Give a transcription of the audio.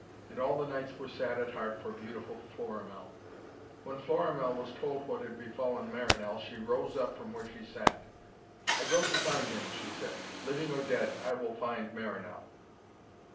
And all the knights were sad at heart for beautiful Florimell. When Florimell was told what had befallen Marinell, she rose up from where she sat. 'I go to find him,' she said. 'Living or dead, I will find Marinell.'